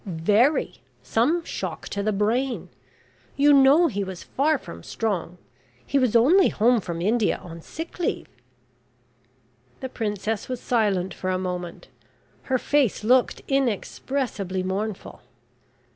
"Very. Some shock to the brain. You know he was far from strong. He was only home from India on sick leave." The princess was silent for a moment. Her face looked inexpressibly mournful.